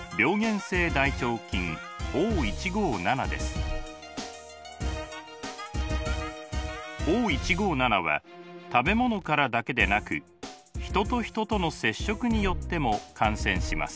原因はＯ−１５７は食べ物からだけでなく人と人との接触によっても感染します。